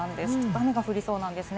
雨が降りそうなんですね。